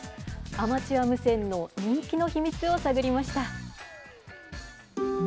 アマチュア無線の人気の秘密を探りました。